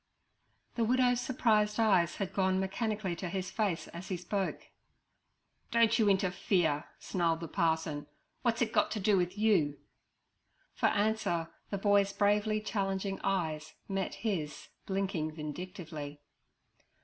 The widow's surprised eyes had gone mechanically to his face as he spoke. 'Don't you interfere' snarled the parson. 'What's it got to do with you?' For answer the boy's bravely challenging eyes met his blinking vindictively.